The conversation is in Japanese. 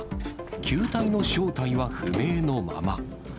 球体の正体は不明のまま。